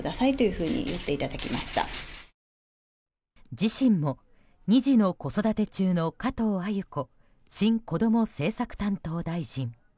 自身も２児の子育て中の加藤鮎子新こども政策担当大臣。